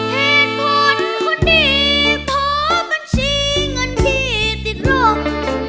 เหตุผลคนดีเพราะบัญชีเงินพี่ติดลง